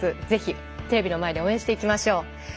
ぜひテレビの前で応援していきましょう。